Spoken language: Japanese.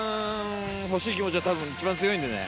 欲しい気持ちはたぶん一番強いんでね。